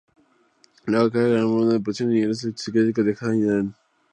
Lagar cae en una profunda depresión e ingresará en el psiquiátrico de Sainte Anne.